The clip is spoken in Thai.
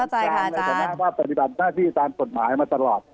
สมชายนักศึกษาภาพปฏิบัติหน้าที่สามปฏหมายมาตลอด